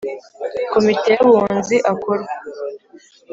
Komite y Abunzi akorwa